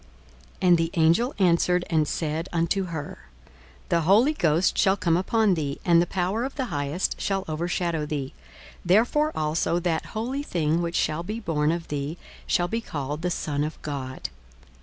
42:001:035 And the angel answered and said unto her, The Holy Ghost shall come upon thee, and the power of the Highest shall overshadow thee: therefore also that holy thing which shall be born of thee shall be called the Son of God.